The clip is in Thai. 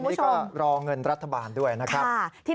นี่ก็รอเงินรัฐบาลด้วยนะครับ